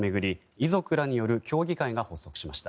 遺族らによる協議会が発足しました。